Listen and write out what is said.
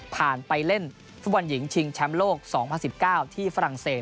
ผ่านไปเล่นฝุ่นหญิงชิงแชมป์โลก๒๐๑๙ที่ฝรั่งเศส